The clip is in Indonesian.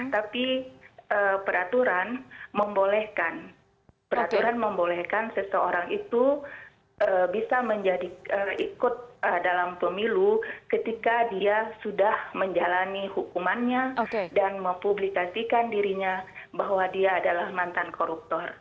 tapi peraturan membolehkan peraturan membolehkan seseorang itu bisa menjadi ikut dalam pemilu ketika dia sudah menjalani hukumannya dan mempublikasikan dirinya bahwa dia adalah mantan koruptor